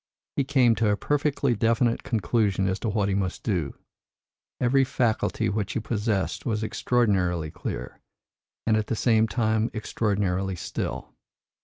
He came to a perfectly definite conclusion as to what he must do. Every faculty which he possessed was extraordinarily clear, and at the same time extraordinarily still.